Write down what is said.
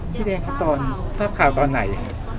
พี่เรนเขาตอนทราบข่าวตอนไหน